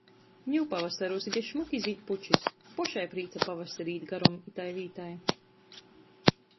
Niu pavasarūs ite šmuki zīd pučis. Pošai prīca pavasarī īt garom itai vītai.